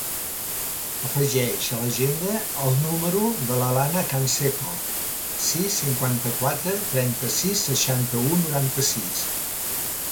Afegeix a l'agenda el número de l'Alana Canseco: sis, cinquanta-quatre, trenta-sis, seixanta-u, noranta-sis.